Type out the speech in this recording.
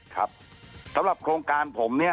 ครับสำหรับโครงการผม